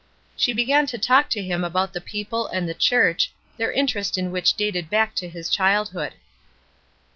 She began to talk to him about the people and the chm ch, their interest in which dated back to his childhood.